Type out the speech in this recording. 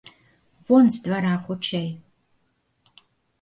Вон з двара хутчэй!